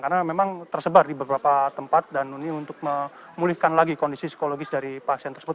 karena memang tersebar di beberapa tempat dan ini untuk memulihkan lagi kondisi psikologis dari pasien tersebut